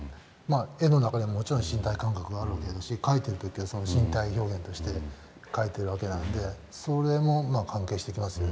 絵の中でももちろん身体感覚があるわけだし描いてる時は身体表現として描いてるわけなんでそれも関係してきますよね。